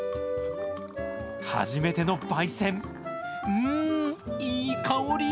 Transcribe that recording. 初めてのばい煎、うーん、いい香り。